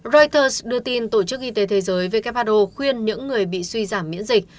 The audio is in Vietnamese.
reuters đưa tin tổ chức y tế thế giới who khuyên những người bị suy giảm miễn dịch